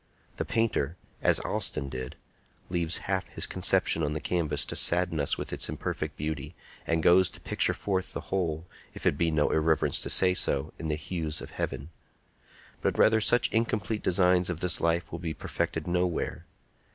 The painter—as Allston did—leaves half his conception on the canvas to sadden us with its imperfect beauty, and goes to picture forth the whole, if it be no irreverence to say so, in the hues of heaven. But rather such incomplete designs of this life will be perfected nowhere.